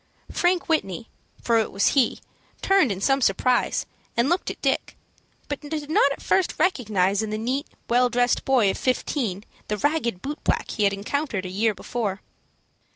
Frank Whitney, for it was he, turned in some surprise and looked at Dick, but did not at first recognize in the neat, well dressed boy of fifteen the ragged boot black he had encountered a year before.